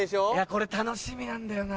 これ楽しみなんだよな。